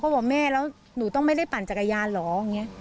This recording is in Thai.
บอกแม่แล้วหนูต้องไม่ได้ปั่นจักรยานเหรออย่างนี้